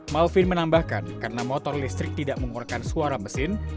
malvin menambahkan karena motor listrik tidak mengeluarkan suara mesin